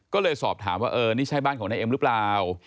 ก็เลยสอบถามว่าเออนี่ใช่บ้านของนายเอ็มหรือเปล่า